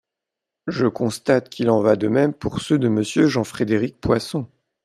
Je constate qu’il en va de même pour ceux de Monsieur Jean-Frédéric Poisson.